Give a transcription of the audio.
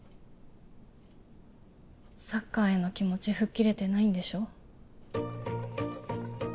サッカーへの気持ち吹っ切れてないんでしょ